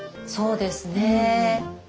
そうですね。